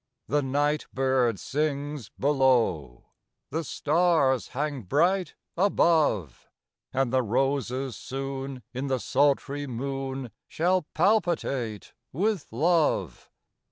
The nightbird sings below; The stars hang bright above; And the roses soon in the sultry moon Shall palpitate with love.